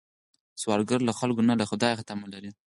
سوالګر له خلکو نه، له خدایه تمه لري